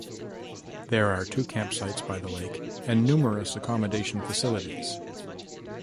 There are two campsites by the lake and numerous accommodation facilities.